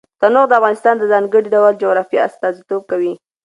تنوع د افغانستان د ځانګړي ډول جغرافیه استازیتوب کوي.